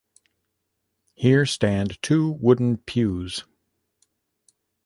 Here stand two wooden pews.